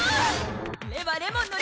レはレモンのレ！